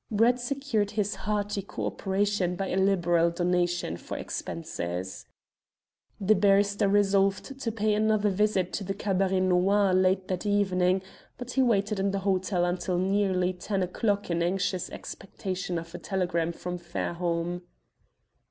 Brett secured his hearty co operation by a liberal donation for expenses. The barrister resolved to pay another visit to the Cabaret Noir late that evening, but he waited in the hotel until nearly ten o'clock in anxious expectation of a telegram from Fairholme.